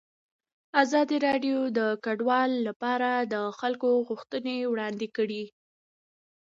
ازادي راډیو د کډوال لپاره د خلکو غوښتنې وړاندې کړي.